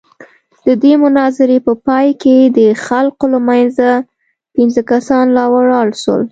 د دې مناظرې په پاى کښې د خلقو له منځه پينځه کسان راولاړ سول.